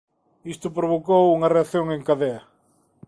Isto provocou unha reacción en cadea.